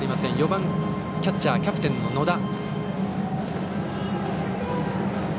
４番キャッチャーキャプテンの野田。